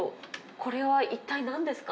これは一体なんですか？